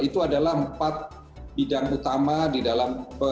itu adalah empat bidang utama di dalam